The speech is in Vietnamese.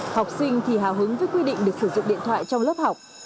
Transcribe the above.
học sinh thì hào hứng với quy định được sử dụng điện thoại trong lớp học